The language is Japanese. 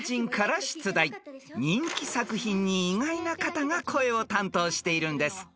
［人気作品に意外な方が声を担当しているんです］